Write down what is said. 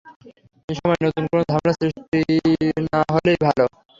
এ সময় নতুন কোনো ঝামেলা সৃষ্টি না-হলেই ভালো।